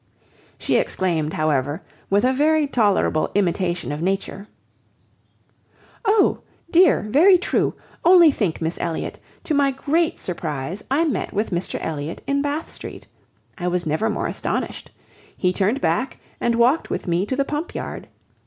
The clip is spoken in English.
She exclaimed, however, with a very tolerable imitation of nature:— "Oh! dear! very true. Only think, Miss Elliot, to my great surprise I met with Mr Elliot in Bath Street. I was never more astonished. He turned back and walked with me to the Pump Yard.